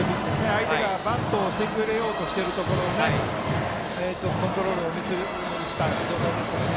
相手がバントをしてくれようとしているところをコントロールをミスした状態ですからね。